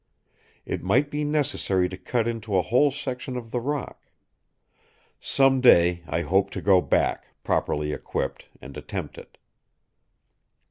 It might be necessary to cut into a whole section of the rock. Some day I hope to go back, properly equipped, and attempt it.